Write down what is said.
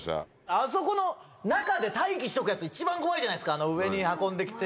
あそこの中で待機しとくやつ、一番怖いじゃないですか、あの上に運んできて。